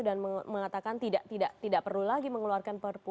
dan mengatakan tidak perlu lagi mengeluarkan prk